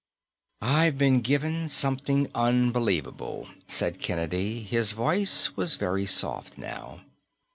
"I've been given something unbelievable," said Kennedy. His voice was very soft now.